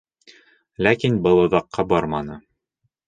Ләкин был оҙаҡҡа барманы.